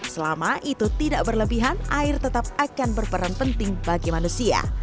selama itu tidak berlebihan air tetap akan berperan penting bagi manusia